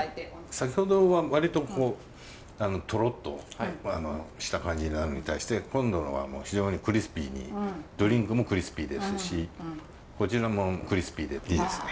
先ほどは割とこうトロッとした感じなのに対して今度のは非常にクリスピーにドリンクもクリスピーですしこちらもクリスピーでいいですね。